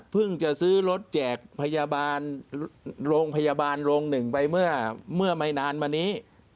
จะซื้อรถแจกพยาบาลโรงพยาบาลโรงหนึ่งไปเมื่อไม่นานมานี้